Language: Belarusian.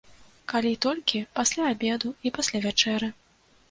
Калі толькі пасля абеду і пасля вячэры.